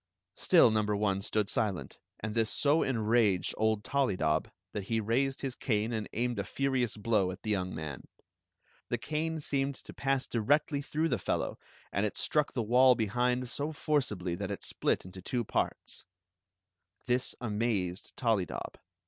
Still number one stood silent, and this so enraged old Tollydob that he raised his cane and aimed a furious blow at the young man. The cane seemed to pass directly through the fdlow, and it stlW^ the wall behind so forcibly that it split into two parts. This amazed Tollydob.